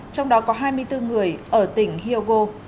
trong đó có hai mươi bốn người ở tỉnh hyogo